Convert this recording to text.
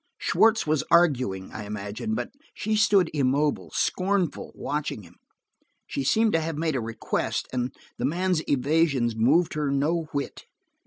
Schwartz was arguing, I imagined, but she stood immobile, scornful, watching him. She seemed to have made a request, and the man's evasions moved her no whit.